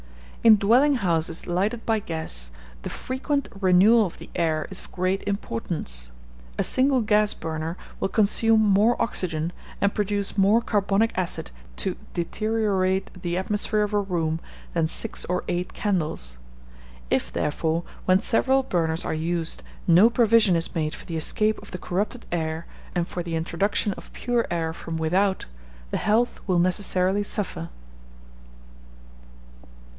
In dwelling houses lighted by gas, the frequent renewal of the air is of great importance. A single gas burner will consume more oxygen, and produce more carbonic acid to deteriorate the atmosphere of a room, than six or eight candles. If, therefore, when several burners are used, no provision is made for the escape of the corrupted air and for the introduction of pure air from without, the health will necessarily suffer.